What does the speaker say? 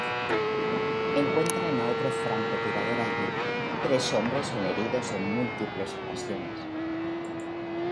Encuentran a otro francotirador allí, tres hombres son heridos en múltiples ocasiones.